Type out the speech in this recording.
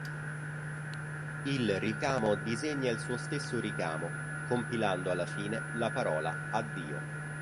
Il ricamo disegna il suo stesso ricamo compilando alla fine la parola "addio".